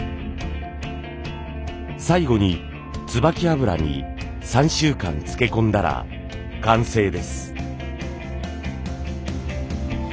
最後につばき油に３週間漬け込んだら完成です。